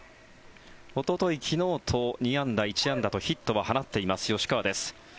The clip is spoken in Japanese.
おととい、昨日と２安打、１安打とヒットは放っています吉川です。